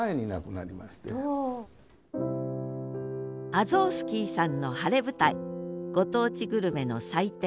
アゾースキーさんの晴れ舞台ご当地グルメの祭典